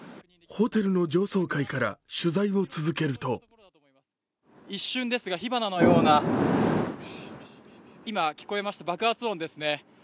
ホテルの上層階から取材を続けると一瞬ですが、火花のような今、爆発音ですね。